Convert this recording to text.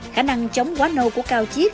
khả năng chống quá nâu của cao chiết